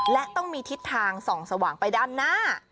และต้องมีทิศทางส่องสว่างไปด้านหน้า